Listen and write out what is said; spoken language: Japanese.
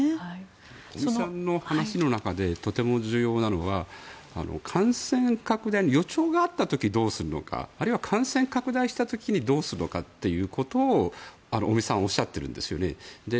尾身さんの話の中でとても重要なのは感染拡大の予兆があった時どうするのか感染拡大した時にどうするのかということを尾身さんおっしゃっているんですね。